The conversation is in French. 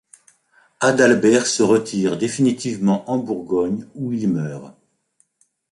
Adalbert se retire définitivement en Bourgogne où il meurt.